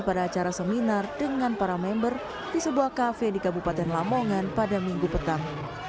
pada acara seminar dengan para member di sebuah kafe di kabupaten lamongan pada minggu petang